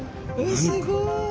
すごい。